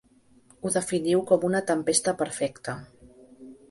Ho definiu com una tempesta perfecta.